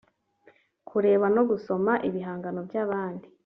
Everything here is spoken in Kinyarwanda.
kureba no gusoma ibihangano by’abandi